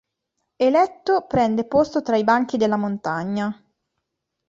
Eletto prende posto tra i banchi della Montagna.